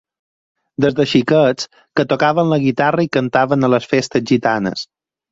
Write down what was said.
Des de xiquets que tocaven la guitarra i cantaven a les festes gitanes.